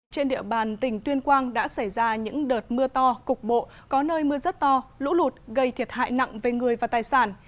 trên địa bàn tỉnh tuyên quang đã xảy ra những đợt mưa to cục bộ có nơi mưa rất to lũ lụt gây thiệt hại nặng về người và tài sản